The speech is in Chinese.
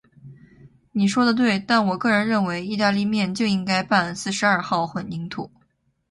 你说得对，但我个人认为，意大利面就应该拌四十二号混凝土。